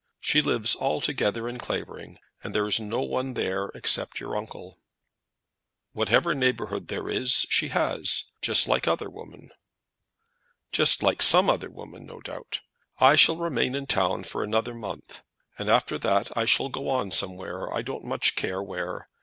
She lives altogether at Clavering, and there is no one there, except your uncle." "Whatever neighbourhood there is she has, just like other women." "Just like some other women, no doubt. I shall remain in town for another month, and after that I shall go somewhere; I don't much care where.